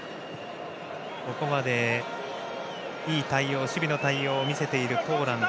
ここまでいい守備の対応を見せるポーランド。